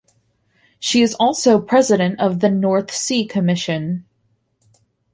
She is also president of the North Sea Commission.